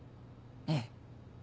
ええ。